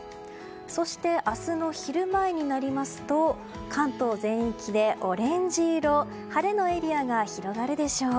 そして、明日の昼前になりますと関東全域でオレンジ色晴れのエリアが広がるでしょう。